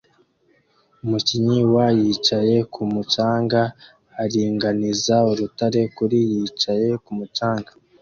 Umukinnyi wa Yicaye kumu canga aringaniza urutare kuri yicaye kumu canga